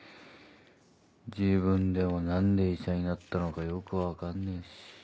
自分でも何で医者になったのかよく分かんねえし。